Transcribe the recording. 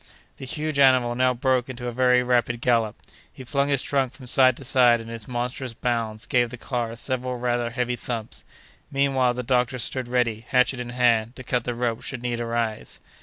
The huge animal now broke into a very rapid gallop. He flung his trunk from side to side, and his monstrous bounds gave the car several rather heavy thumps. Meanwhile the doctor stood ready, hatchet in hand, to cut the rope, should need arise.